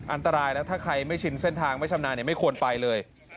อันตรายแล้วถ้าใครไม่ชินเส้นทางไม่ชำนาญไม่ควรไปเลย